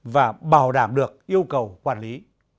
và bảo đảm được yêu cầu quản lý